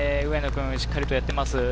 君、しっかりとやってます。